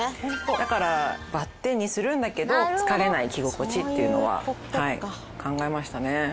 だからバッテンにするんだけど疲れない着心地っていうのは考えましたね。